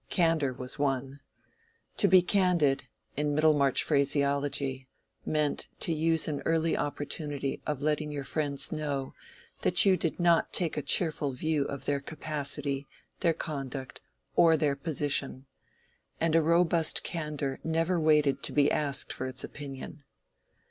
Candor was one. To be candid, in Middlemarch phraseology, meant, to use an early opportunity of letting your friends know that you did not take a cheerful view of their capacity, their conduct, or their position; and a robust candor never waited to be asked for its opinion.